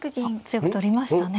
強く取りましたね。